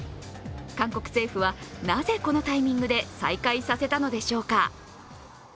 韓国政府はなぜこのタイミングで再開させたのでしょうか。